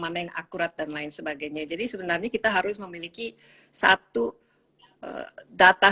mana yang akurat dan lain sebagainya jadi sebenarnya kita harus memiliki satu data